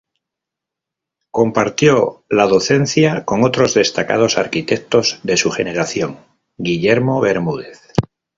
Compartió la docencia con otros destacados arquitectos de su generación Guillermo Bermúdez.